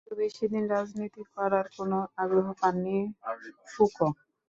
কিন্তু বেশিদিন রাজনীতি করার কোন আগ্রহ পাননি ফুকো।